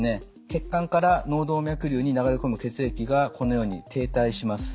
血管から脳動脈瘤に流れ込む血液がこのように停滞します。